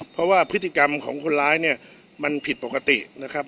เพราะว่าพฤติกรรมของคนร้ายเนี่ยมันผิดปกตินะครับ